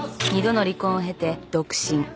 二度の離婚を経て独身。